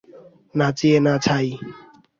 নাচিয়ে না ছাই।